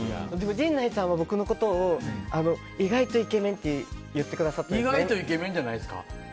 陣内さんは僕のことを意外とイケメンって意外とイケメンじゃないですか？